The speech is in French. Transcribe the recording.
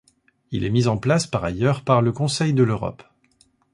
Il est mis en place par ailleurs par le Conseil de l’Europe.